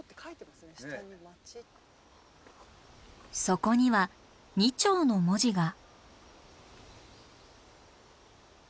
そこには「二町」の文字が。